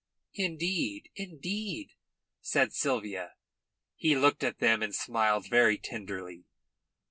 "Indeed, indeed," said Sylvia. He looked at them and smiled very tenderly.